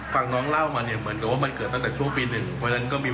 ฟังน้องเล่าแบบมันเหมือนกับว่ามันเกิดตั้งแต่ช่วงปี๑